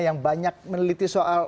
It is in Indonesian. yang banyak meneliti soal